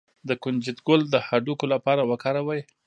د کنجد ګل د هډوکو لپاره وکاروئ